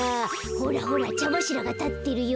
ほらほらちゃばしらがたってるよ。